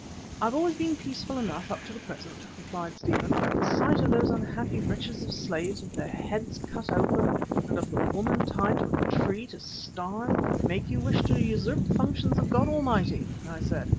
"I've always been peaceful enough up to the present," replied Stephen. "But the sight of those unhappy wretches of slaves with their heads cut open, and of the woman tied to a tree to starve " "Make you wish to usurp the functions of God Almighty," I said.